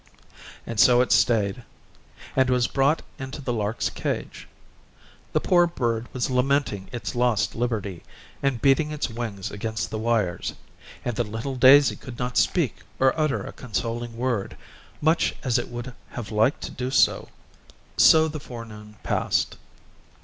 And so it stayed, and was brought into the lark's cage. The poor bird was lamenting its lost liberty, and beating its wings against the wires; and the little daisy could not speak or utter a consoling word, much as it would have liked to do so. So the forenoon passed.